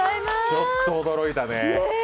ちょっと驚いたね。